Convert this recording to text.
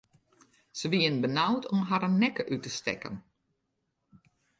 Se wienen benaud om harren nekke út te stekken.